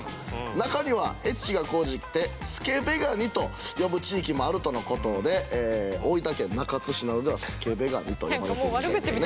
中にはエッチが高じてスケベガニと呼ぶ地域もあるとのことで大分県中津市などではスケベガニと呼ばれてるみたいですね。